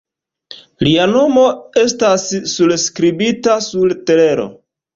Lia nomo estas surskribita sur telero.